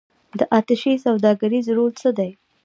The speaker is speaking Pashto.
د اتشې سوداګریز رول څه دی؟